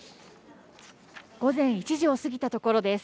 午前１時を過ぎたところです。